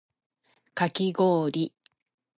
かきごおり